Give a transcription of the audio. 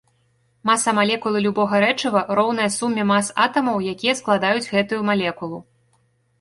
Маса малекулы любога рэчыва роўная суме мас атамаў, якія складаюць гэтую малекулу.